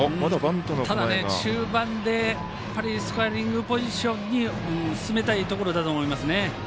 ただ、中盤でやっぱりスコアリングポジションに進めたいところだと思いますね。